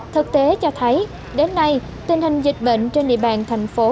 thực tế cho thấy đến nay tình hình dịch bệnh trên địa bàn thành phố